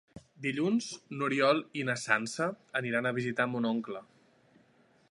Dilluns n'Oriol i na Sança aniran a visitar mon oncle.